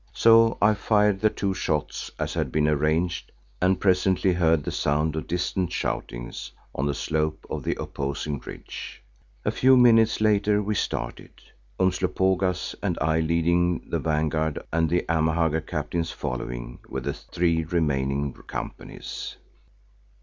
So I fired the two shots as had been arranged and presently heard the sound of distant shoutings on the slope of the opposing ridge. A few minutes later we started, Umslopogaas and I leading the vanguard and the Amahagger captains following with the three remaining companies.